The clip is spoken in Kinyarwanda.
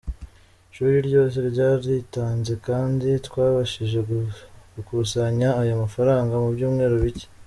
Ishuri ryose ryaritanze kandi twabashije gukusanya aya mafaranga mu byumweru bike".